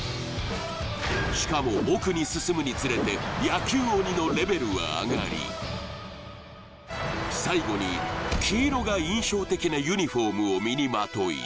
しかも奥に進むにつれて野球鬼のレベルは上がり最後に黄色が印象的なユニフォームを身にまとい